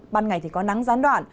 ban ngày thì có nắng gián đoạn